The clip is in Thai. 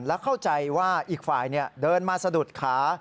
และเข้าใจว่าอีกฝ่ายเดินมาสะดุดขา